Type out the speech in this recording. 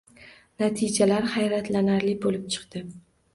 Natijalar hayratlanarli bo‘lib chiqdi